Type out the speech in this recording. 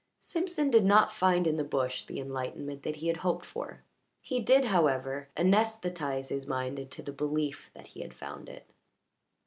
Simpson did not find in the bush the enlightenment that he had hoped for. He did, however, anaesthetize his mind into the belief that he had found it.